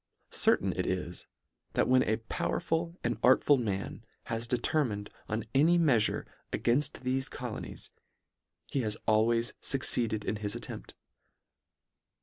Certain it is, that when a powerful and art ful man has determined on any meafure a gainfl: thefe colonies, he has always fucceed ed in his attempt.